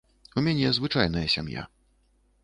У мяне звычайная сям'я.